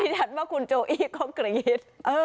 มีฉันว่าคุณโจ้อี้ก็กรี๊ด